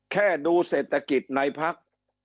แค่ดูเศรษฐกิจในพัก